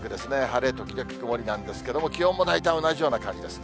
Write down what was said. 晴れ時々曇りなんですけども、気温も大体同じような感じです。